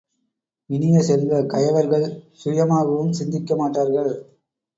இனிய செல்வ, கயவர்கள் சுயமாகவும் சிந்திக்க மாட்டார்கள்!